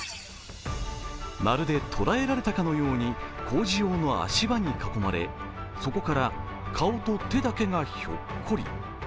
まるで捉えられたかのように工事用の足場に囲まれ、そこから顔と手だけがひょっこり。